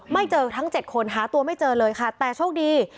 ไม่เจอทั้ง๗คนหาตัวไม่เจอเลยค่ะแต่โชคดี